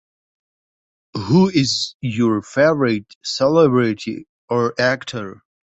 Who is your favorite celebrity or actor?